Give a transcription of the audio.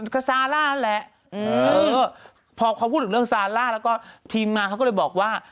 ก็ซาร่านั่นแหละพอเขาพูดถึงเรื่องซาร่าแล้วก็ทีมงานเขาก็เลยบอกว่า